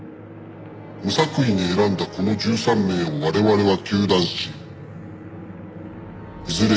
無作為に選んだこの１３名を我々は糾弾しいずれ